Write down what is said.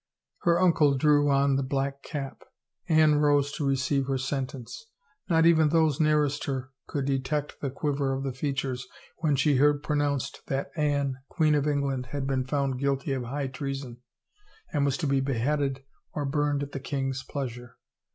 Her uncle drew on the black cap, Anne rose to re ceive her sentence. Not even those nearest to her could detect the quiver of the features when she heard pro nounced that Anne, Queen of England, had been found guilty of high treason, and was to be beheaded or burned at the king's pleasure.